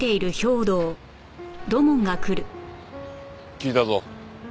聞いたぞ。